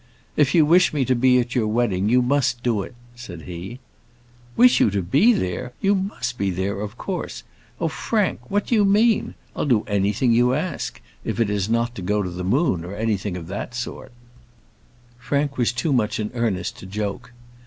"If you wish me to be at your wedding, you must do it," said he. "Wish you to be there! You must be there, of course. Oh, Frank! what do you mean? I'll do anything you ask; if it is not to go to the moon, or anything of that sort." Frank was too much in earnest to joke.